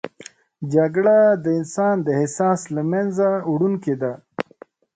جګړه د انسان د احساس له منځه وړونکې ده